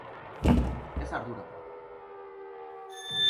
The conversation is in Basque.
Ez arduratu!